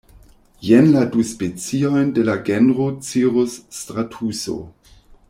Jen la du speciojn de la genro cirusstratuso.